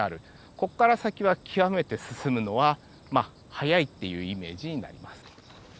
ここから先は極めて進むのは速いっていうイメージになります。